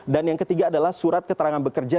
dan yang ketiga adalah surat keterangan bekerja